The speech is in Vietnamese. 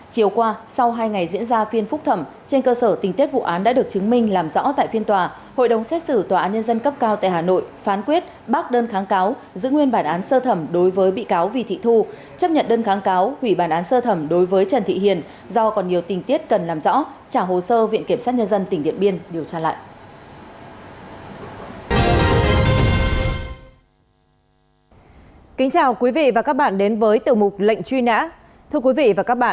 chiều qua sau hai ngày diễn ra phiên phúc thẩm trên cơ sở tình tiết vụ án đã được chứng minh làm rõ tại phiên tòa hội đồng xét xử tòa án nhân dân cấp cao tại hà nội phán quyết bác đơn kháng cáo giữ nguyên bản án sơ thẩm đối với bị cáo vì thị thu chấp nhận đơn kháng cáo hủy bản án sơ thẩm đối với trần thị hiền do còn nhiều tình tiết cần làm rõ trả hồ sơ viện kiểm soát nhân dân tỉnh điện biên điều tra lại